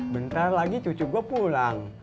bentar lagi cucu gue pulang